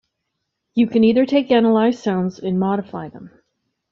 You can either take Analyzed sounds and modify them.